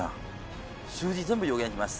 数字全部予言します。